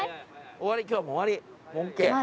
終わり今日はもう終わり。